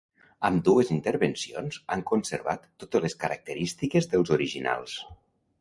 Ambdues intervencions han conservat totes les característiques dels originals.